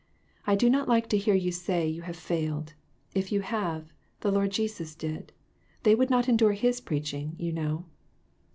"I do not like to hear you say you have failed; if you have, the Lord Jesus did. They would not endure his preaching, you know."